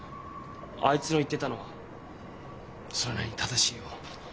あいつの言ってたのはそれなりに正しいよ。